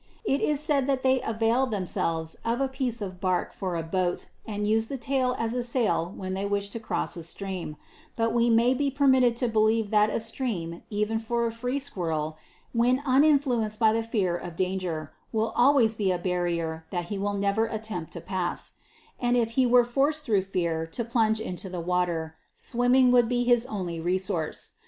It is said that they avail themselves of a piece of bark for a boat, and use the tail as a sail when they wish to cross a stream ; but we may be permitted to believe that a stream, even for a free squirrel, when uninfluenced by the fear of danger, will always be a barrier that he will never attempt to pass ; and if he were forced through fear to plunge into the water, swimming would be his only re source.